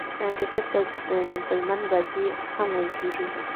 کرکټ ته "جېنټلمن بازي" هم ویل کیږي.